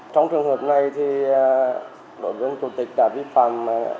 trong trường hợp này thì đội dân chủ tịch đã vi phạm